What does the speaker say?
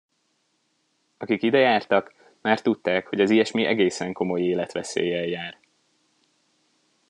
Akik idejártak, már tudták, hogy az ilyesmi egészen komoly életveszéllyel jár.